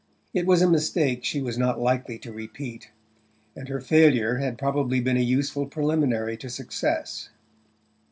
It was a mistake she was not likely to repeat, and her failure had probably been a useful preliminary to success.